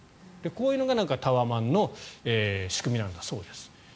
こういうのがタワマンの仕組みなんだそうです。